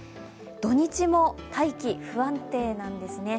土日も大気、不安定なんですね。